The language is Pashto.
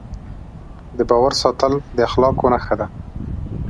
د باور ساتل د اخلاقو نښه ده.